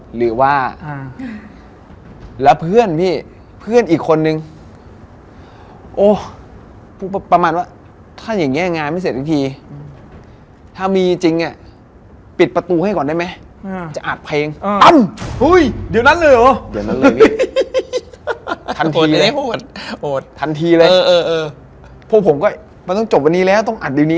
หาที่มาที่ไปไม่ได้